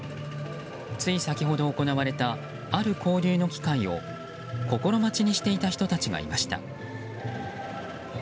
つい先ほど行われたある交流の機会を心待ちにしていた人たちがいました。